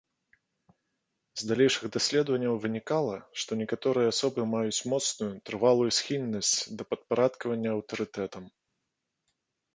З далейшых даследванняў вынікала, што некаторыя асобы маюць моцную, трывалую схільнасць да падпарадкавання аўтарытэтам.